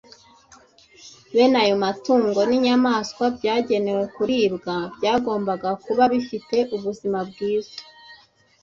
Bene ayo matungo n’inyamaswa byagenewe kuribwa byagombaga kuba bifite ubuzima bwiza